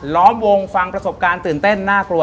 ล้อมวงฟังประสบการณ์ตื่นเต้นน่ากลัว